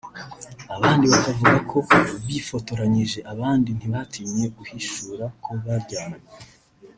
abandi bakavuga ko bifotoranyije abandi ntibatinye guhishura ko baryamanye